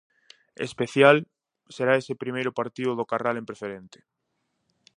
Especial será ese primeiro partido do Carral en Preferente.